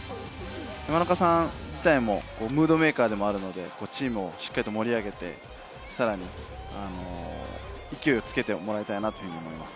山中さん自体もムードメーカーでもあるので、チームをしっかり盛り上げて、さらに勢いをつけてもらいたいと思います。